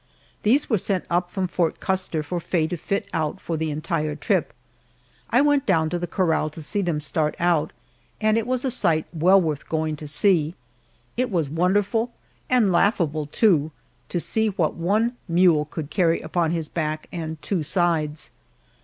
These were sent up from Fort Custer for Faye to fit out for the entire trip. I went down to the corral to see them start out, and it was a sight well worth going to see. It was wonderful, and laughable, too, to see what one mule could carry upon his back and two sides.